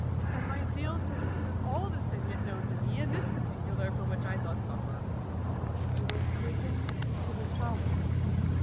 And my zeal to these is all the sin yet known to me in this particular for which I thus suffer. r He was taken to the Tower.